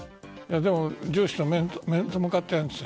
でも上司と面と向かってやるんですよ。